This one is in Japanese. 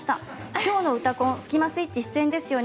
きょうの「うたコン」スキマスイッチ出演ですよね。